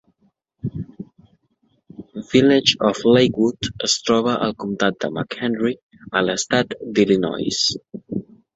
Village of Lakewood es troba al comtat de McHenry a l'estat d'Illinois.